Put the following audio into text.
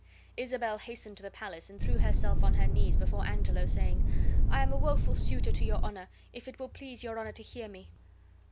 Isabel hastened to the palace and threw herself on her knees before Angelo, saying, "I am a woeful suitor to your Honor, if it will please your Honor to hear me."